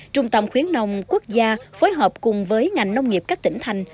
trung tâm khuyến nông quốc gia phối hợp cùng với ngành nông nghiệp các tỉnh thành